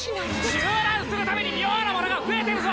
中断するたびに妙なものが増えてるぞ！